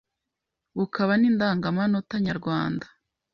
bukaba n’Indangamanota nyarwanda.